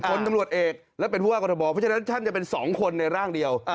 คนตำรวจเอกและเป็นผู้ว่ากรทบเพราะฉะนั้นท่านจะเป็น๒คนในร่างเดียว